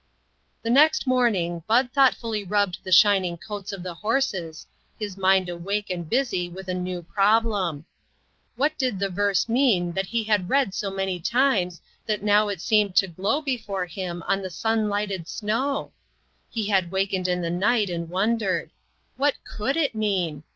The next morning, Bud thoughtfully rub bed the shining coats of the horses, his mind awake and busy with a new problem. What did the verse mean, that he had read so many times, that now it seemed to glow before him on the sun lighted snow? He had wakened in the night and wondered. What could it mean